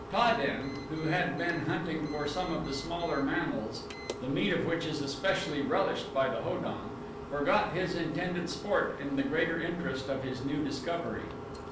Ta den, who had been hunting for some of the smaller mammals, the meat of which is especially relished by the Ho don, forgot his intended sport in the greater interest of his new discovery.